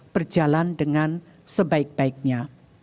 berjalan dengan sebaik baiknya